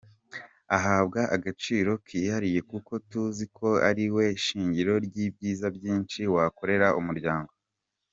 Ahabwa agaciro kihariye, kuko tuzi ko ariwe shingiro ry’ibyiza byinshi wakorera umuryango.